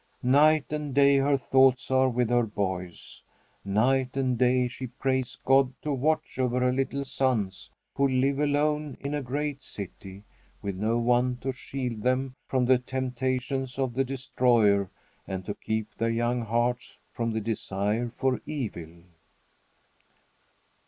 Night and day her thoughts are with her boys. Night and day she prays God to watch over her little sons, who live alone in a great city, with no one to shield them from the temptations of the destroyer, and to keep their young hearts from the desire for evil.